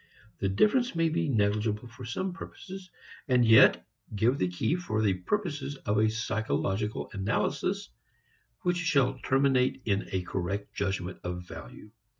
The difference may be negligible for some purposes, and yet give the key for the purposes of a psychological analysis which shall terminate in a correct judgment of value.